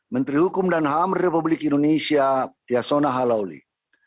menteri hukum dan ham republik indonesia yasona halauli